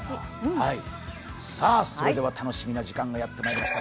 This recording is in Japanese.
それでは楽しみな時間がやってまいりました。